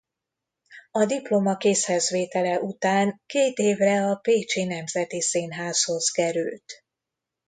A diploma kézhez vétele után két évre a Pécsi Nemzeti Színházhoz került.